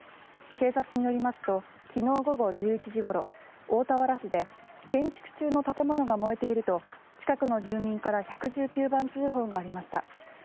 警察によりますと昨日午後１１時ごろ大田原市で建築中の建物が燃えていると近くの住民から１１９番通報がありました。